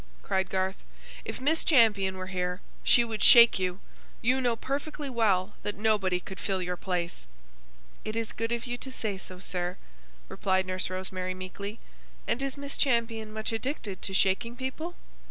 cried Garth. "If Miss Champion were here, she would shake you! You, know perfectly well that nobody could fill your place!" "It is good of you to say so, sir," replied Nurse Rosemary, meekly. "And is Miss Champion much addicted to shaking people?"